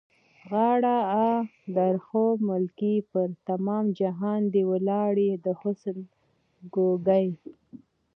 غاړه؛ آ، درخو ملکې! پر تمام جهان دې ولاړې د حُسن کوکې.